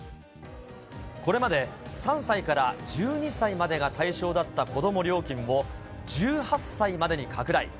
これまで３歳から１２歳までが対象だった子ども料金も、１８歳までに拡大。